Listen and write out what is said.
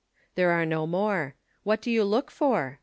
There are no more : what do you look for